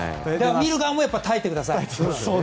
見る側も耐えてください。